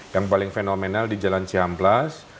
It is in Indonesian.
yang paling fenomenal di jalan cihamplas